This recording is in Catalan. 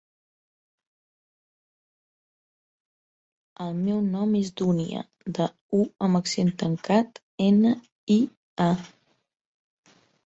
El nom és Dúnia: de, u amb accent tancat, ena, i, a.